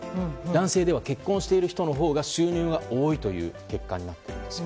男性では結婚している人のほうが収入が多いという結果になります。